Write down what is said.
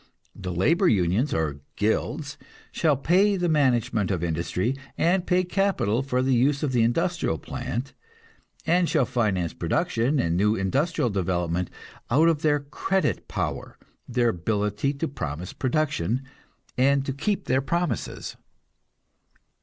The labor unions, or "guilds," shall pay the management of industry and pay capital for the use of the industrial plant, and shall finance production and new industrial development out of their "credit power," their ability to promise production and to keep their promises.